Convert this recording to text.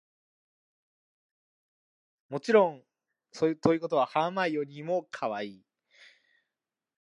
The elaborate percussion lends the song a Latin rhythm accentuated by its stop-time structure.